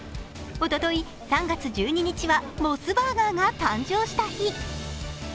おととい３月１２日は、モスバーガーが誕生した日。